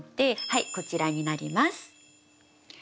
はいこちらになります。